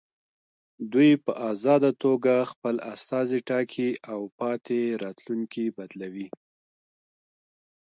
دوی په ازاده توګه خپل استازي ټاکي او پاتې راتلونکي بدلوي.